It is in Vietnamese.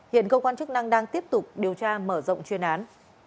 hiện công an chức năng đang tiếp tục điều tra mở rộng chuyên án